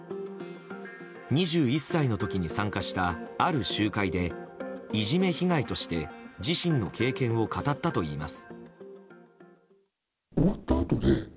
２１歳の時に参加したある集会でいじめ被害として自身の経験を語ったといいます。